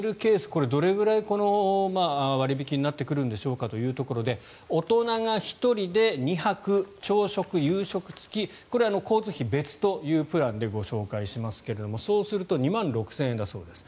これはどれくらい割引きになってくるんでしょうかというところで大人が１人で２泊朝食、夕食付これは交通費が別というプランでご紹介しますがそうすると２万６０００円だそうです。